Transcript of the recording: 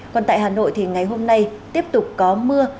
còn tại hà nội thì ngày hôm nay tiếp tục có mưa